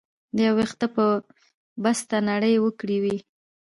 د يو وېښته په بسته نړۍ وکړى وى.